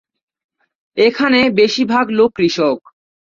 এখানে বেশি ভাগ লোক কৃষক।